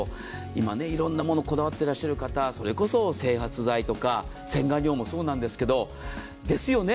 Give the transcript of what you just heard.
今、いろんなものにこだわっていらっしゃる方、整髪剤とか洗顔料もそうなんですけど、ですよね。